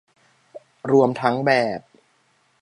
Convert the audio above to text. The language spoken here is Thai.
รวมทั้งแบบ